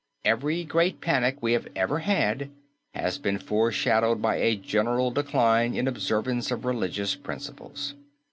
Every great panic we have ever had has been foreshadowed by a general decline in observance of religious principles.